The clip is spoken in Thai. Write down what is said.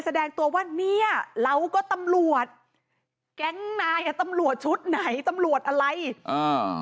แสดงตัวว่าเนี้ยเราก็ตำรวจแก๊งนายอ่ะตำรวจชุดไหนตำรวจอะไรอ่า